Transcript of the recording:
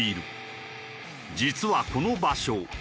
実はこの場所